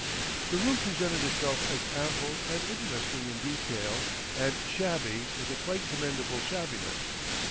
The room presented itself as ample and interesting in detail and shabby with a quite commendable shabbiness.